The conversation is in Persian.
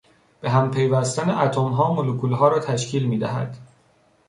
بههم پیوستن اتمها ملکولها را تشکیل میدهد.